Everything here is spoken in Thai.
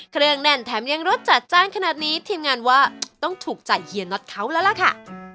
เครื่องแน่นแถมยังรสจัดจ้านขนาดนี้ทีมงานว่าต้องถูกใจเฮียน็อตเขาแล้วล่ะค่ะ